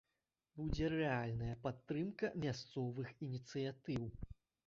Будзе рэальная падтрымка мясцовых ініцыятыў.